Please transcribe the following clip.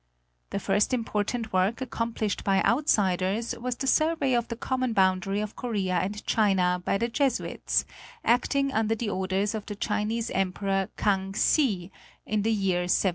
The first important work accom plished by outsiders was the survey of the common boundary of Korea and China by the Jesuits, acting under the orders of the Chinese Emperor Kang hsi, in the year 1709.